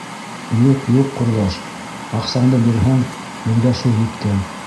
— Юҡ, юҡ, ҡорҙаш, аҡсаңды бирһәң, беҙгә шул еткән.